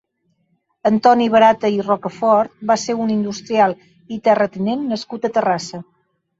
Antoni Barata i Rocafort va ser un industrial i terratinent nascut a Terrassa.